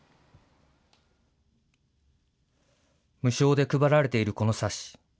無償で配られているこの冊子。